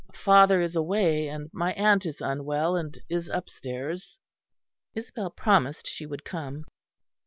Father is away, and my aunt is unwell and is upstairs." Isabel promised she would come.